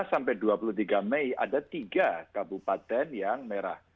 lima sampai dua puluh tiga mei ada tiga kabupaten yang merah